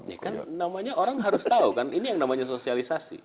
ini kan namanya orang harus tahu kan ini yang namanya sosialisasi